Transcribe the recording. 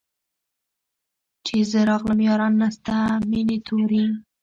چي زه راغلم ياران نسته مېني توري